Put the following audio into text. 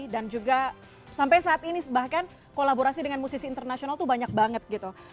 dan juga sampai saat ini bahkan kolaborasi dengan musisi internasional tuh banyak banget gitu